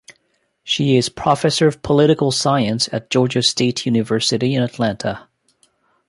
She is Professor of Political Science at Georgia State University in Atlanta.